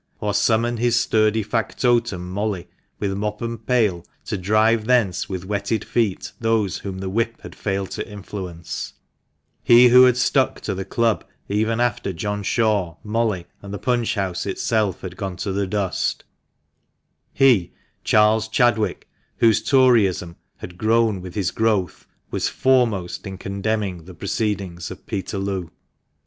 " or summon his sturdy factotum Molly, with mop and pail, to drive thence with wetted feet those whom the whip had failed to influence — he who had stuck to the club even after John Shaw, Molly, and the punch house itself had gone to the dust — he, Charles Chadwick, whose Toryism had grown with his growth, was foremost in condemning the proceedings of Peterloo.